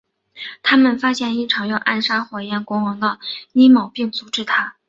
他们发现一场要暗杀火焰国王的阴谋并阻止它。